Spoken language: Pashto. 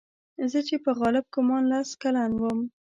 زه چې په غالب ګومان لس کلن وم.